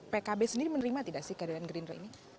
pkb sendiri menerima tidak sih kehadiran gerindra ini